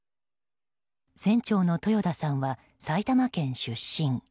船長の豊田さんは埼玉県出身。